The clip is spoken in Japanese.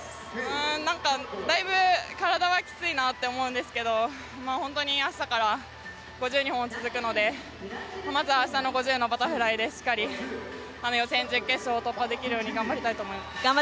だいぶ体はきついなと思うんですけど本当に明日から５０が２本続くのでまずは明日の５０のバタフライでしっかり予選、準決勝を突破できるように頑張りたいです。